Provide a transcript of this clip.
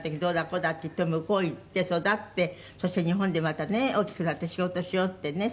こうだっていって向こう行って育ってそして日本でまたね大きくなって仕事しようってね。